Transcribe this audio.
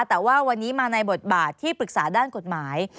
แต่ว่าวันนี้มาในบทบาทที่ปรึกษาด้านกฎหมาย